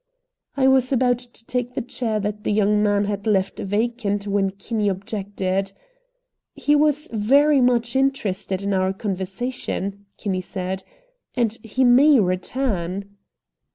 I was about to take the chair that the young man had left vacant when Kinney objected. "He was very much interested in our conversation," Kinney said, "and he may return."